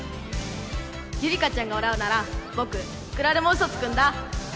ゆりかちゃんが笑うなら僕いくらでもウソつくんだ